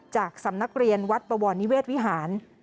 จากสำนักเรียนวัดบวรนิเวศวิหาร